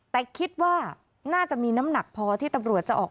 แต่คิดว่าน่าจะมีน้ำหนักพอที่ตำรวจจะออก